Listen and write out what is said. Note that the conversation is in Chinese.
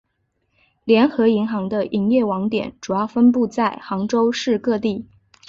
联合银行的营业网点主要分布在杭州市各地。